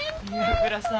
岩倉さん